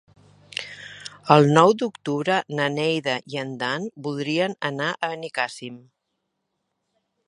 El nou d'octubre na Neida i en Dan voldrien anar a Benicàssim.